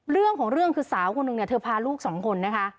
เรื่องของเรื่องคือสาวคนหนึ่งเนี่ยเธอพาลูกสองคนนะคะ